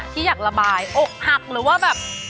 ที่อยากระบายอกหักหรือว่าแบบ